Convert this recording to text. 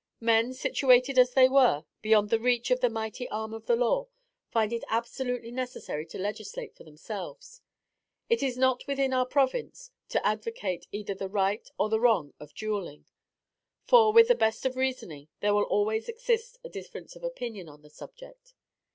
Men, situated as they were, beyond the reach of the mighty arm of the law, find it absolutely necessary to legislate for themselves. It is not within our province to advocate either the right or wrong of duelling; for, with the best of reasoning, there will always exist a difference of opinion on the subject.